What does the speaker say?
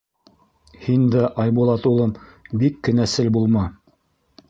Һин дә, Айбулат улым, бик кенәсел булма.